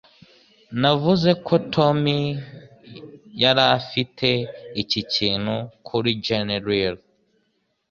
Navuze ko Tommy yari afite iki kintu kuri Jenny Riley?